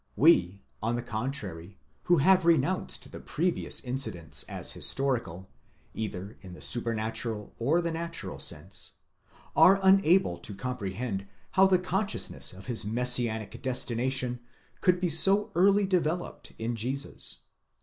We, on the contrary, who have re nounced the previous incidents as historical, either in the supernatural or the natural sense, are unable to comprehend how the consciousness of his mes sianic destination could be so early developed in Jesus.